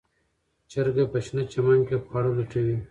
چرګه په شنه چمن کې خواړه لټوي.